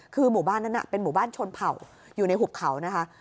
คือหมู่บ้านนั้นเป็นหมู่บ้านชนเผ่าอยู่ในหุบเขานะคะ